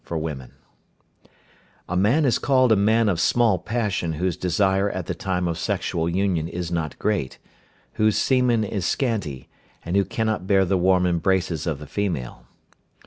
|+++++ A man is called a man of small passion whose desire at the time of sexual union is not great, whose semen is scanty, and who cannot bear the warm embraces of the female.